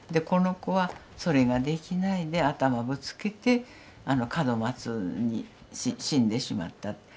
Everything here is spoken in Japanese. この子はそれができないで頭ぶつけてあの門松に死んでしまった。